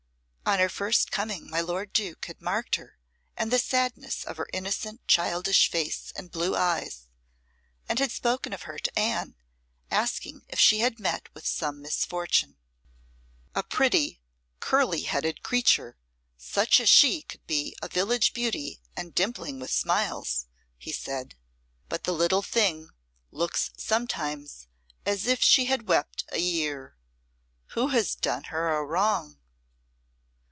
On her first coming my lord Duke had marked her and the sadness of her innocent, childish face and blue eyes, and had spoken of her to Anne, asking if she had met with some misfortune. "A pretty, curly headed creature such as she should be a village beauty and dimpling with smiles," he said, "but the little thing looks sometimes as if she had wept a year. Who has done her a wrong?"